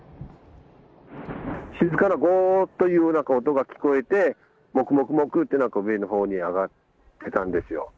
静かなごーっというような音が聞こえて、もくもくもくって、なんか上のほうに上がってたんですよ。